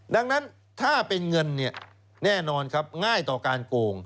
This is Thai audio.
ดังนั้นถ้าเป็นเงินแน่นอนครับง่ายต่อการโกง